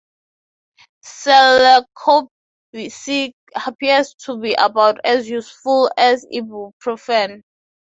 Celecoxib appears to be about as useful as ibuprofen.